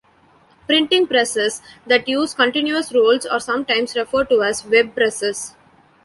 Printing presses that use continuous rolls are sometimes referred to as "web presses".